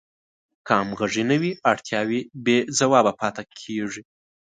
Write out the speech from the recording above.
که همغږي نه وي اړتیاوې بې ځوابه پاتې کیږي.